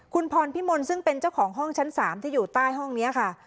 คุณพรพิมลซึ่งเป็นเจ้าของห้องชั้น๓ที่อยู่ใต้ห้องนี้ค่ะ